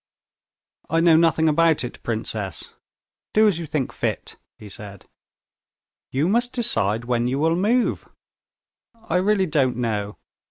"I know nothing about it, princess. Do as you think fit," he said. "You must decide when you will move." "I really don't know.